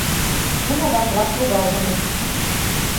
Нуно ваш-ваш лугалтыныт.